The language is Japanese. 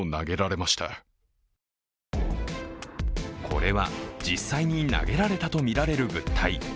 これは実際に投げられたとみられる物体。